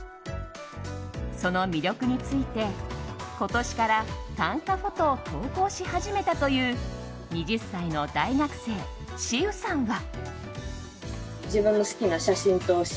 その魅力について今年から短歌フォトを投稿し始めたという２０歳の大学生、詩雨さんは。